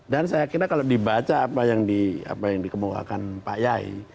dan saya kira kalau dibaca apa yang dikemukakan pak yai